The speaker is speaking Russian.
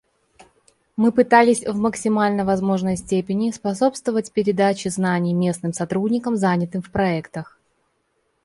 Мы пытались в максимально возможной степени способствовать передаче знаний местным сотрудникам, занятым в проектах.